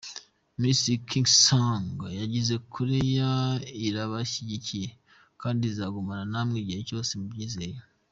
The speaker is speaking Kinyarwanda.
Ministiri Kim Sung yagize ati: “Korea irabashyigikiye kandi izagumana namwe igihe cyose, mubyizere.